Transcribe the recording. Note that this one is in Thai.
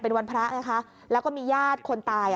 เป็นวันพระไงคะแล้วก็มีญาติคนตาย